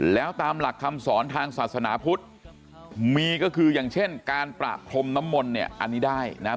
แล้วตามหลักคำสอนทางศาสนาพุทธมีก็คืออย่างเช่นการประพรมน้ำมนต์เนี่ยอันนี้ได้นะครับ